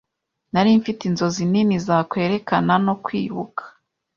Nari mfite inzozi nini za kwerekana no kwibuka